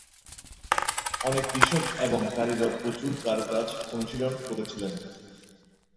অনেক কৃষক এবং কারিগর প্রচুর কারুকাজ অনুশীলন করেছিলেন।